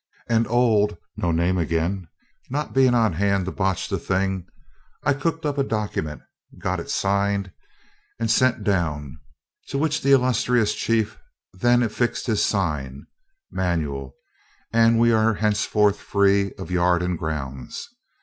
And old not being on hand to botch the thing, I cooked up a document, got it signed and sent down, to which the illustrious chief then affixed his sign manual, and we are henceforward free of yard and grounds.